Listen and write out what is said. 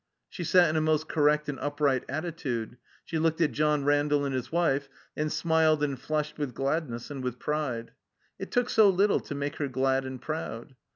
She sat in a most correct and upright attitude, she looked at John Randall and his wife, and smiled and flushed with gladness and with pride. It took so little to make her glad and proud.